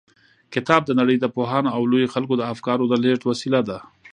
کتاب د نړۍ د پوهانو او لويو خلکو د افکارو د لېږد وسیله ده.